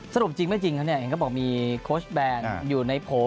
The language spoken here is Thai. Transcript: สรุปจริงไม่จริงแค่งั้นบอกมีโค้ชแบนอยู่ในโผล่